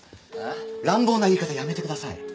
乱暴な言い方やめてください。